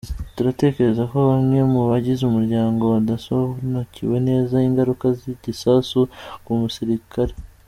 Turatekereza ko bamwe mu bagize umuryango badasobanukiwe neza ingaruka z’igisasu ku musirikare.